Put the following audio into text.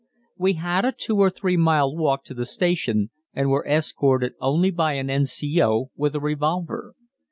We had a two or three mile walk to the station, and were escorted only by an N.C.O. with a revolver.